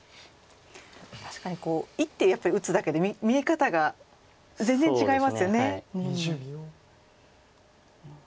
確かに１手やっぱり打つだけで見え方が全然違いますよね。